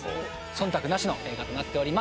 忖度なしの映画となっております。